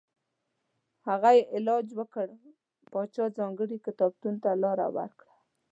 هغه یې علاج وکړ پاچا ځانګړي کتابتون ته لاره ورکړه.